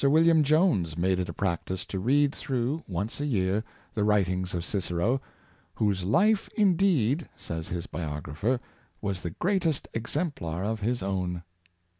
William Jones made it a practice to read through, once a year, the writings of Cicero, " whose life, indeed," says his biographer, " was the great exemplar of his ft own.